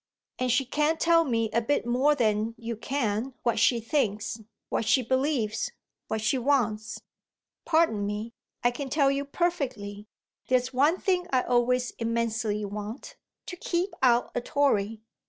"And she can't tell me a bit more than you can what she thinks, what she believes, what she wants." "Pardon me, I can tell you perfectly. There's one thing I always immensely want to keep out a Tory."